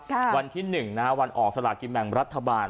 วันที่หนึ่งนะฮะวันออกสลากินแบ่งรัฐบาล